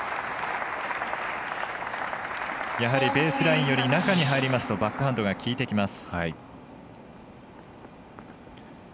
やはり、ベースラインより中に入りますとバックハンドが効いてきます。